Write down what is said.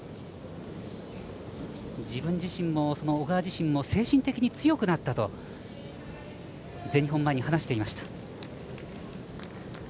自分自身も小川自身も精神的に強くなったと全日本前に話していました。